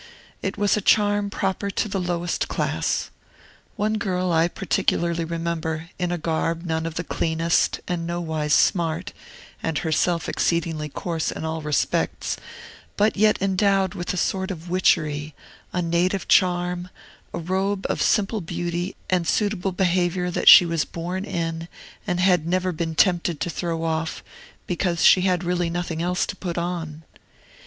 It was a charm proper to the lowest class. One girl I particularly remember, in a garb none of the cleanest and nowise smart, and herself exceedingly coarse in all respects, but yet endowed with a sort of witchery, a native charm, a robe of simple beauty and suitable behavior that she was born in and had never been tempted to throw off, because she had really nothing else to put on.